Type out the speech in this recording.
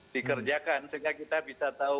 dikerjakan sehingga kita bisa tahu